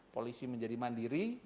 polisi menjadi mandiri